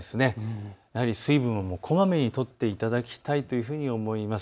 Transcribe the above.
やはり水分もこまめにとっていただきたいと思います。